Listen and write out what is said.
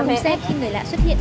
cùng xem khi người lạ xuất hiện